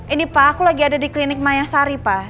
ini pa aku lagi ada di klinik mayasari pa